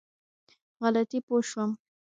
غلطي پوه شوم.